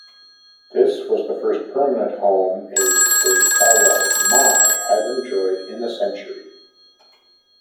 This was the first permanent home a Sayfawa mai had enjoyed in a century.